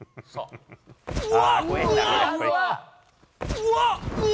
うわっ！